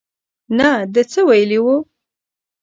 نه ده څه ویلي وو.